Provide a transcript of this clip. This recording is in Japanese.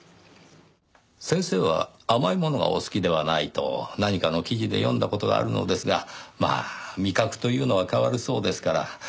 先生は甘いものはお好きではないと何かの記事で読んだ事があるのですがまあ味覚というのは変わるそうですから。